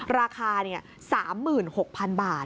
ราคา๓๖๐๐๐บาท